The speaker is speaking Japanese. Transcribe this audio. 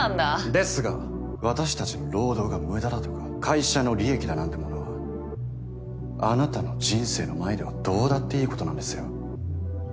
ですが私たちの労働が無駄だとか会社の利益だなんてものはあなたの人生の前ではどうだっていいことなんですよ。